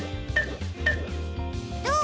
どう？